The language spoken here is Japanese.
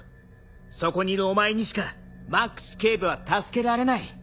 そこにいるお前にしかマックス警部は助けられない。